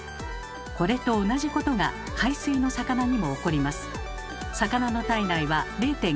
これと同じことが海水の魚にも起こります。